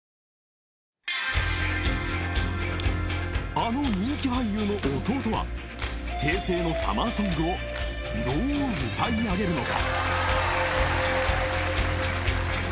［あの人気俳優の弟は平成のサマーソングをどう歌い上げるのか］